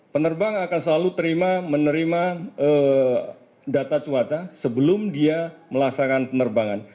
penerbang akan selalu menerima data cuaca sebelum dia melaksanakan penerbangan